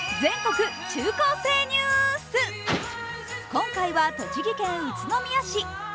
今回は栃木県宇都宮市。